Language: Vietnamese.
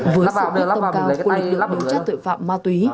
với sự tốc tốc cao của lực lượng đối chất tội phạm ma túy